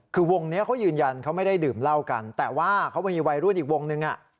คือวงนี้เขายืนยันเขาไม่ได้ดื่มเหล้ากันแต่ว่าเขามีวัยรุ่นอีกวงนึง